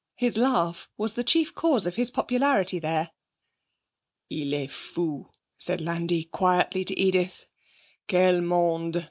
His laugh was the chief cause of his popularity there. 'Il est fou,' said Landi quietly to Edith. 'Quel monde!